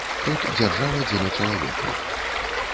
Тут дзяржава дзеля чалавека.